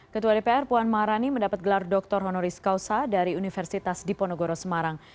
ketua dpr puan maharani mendapat gelar doktor honoris causa dari universitas diponegoro semarang